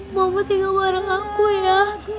momen tinggal bareng aku ya